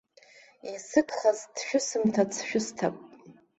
Исыгхаз, тшәысымҭац шәысҭап.